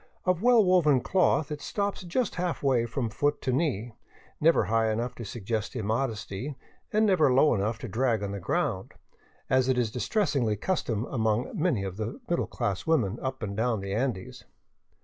Of well woven cloth, it stops just halfway from foot to knee, never high enough to suggest immodesty and never low enough to drag on the ground, as is the distressing custom among many of the middle class women up and down the Andes.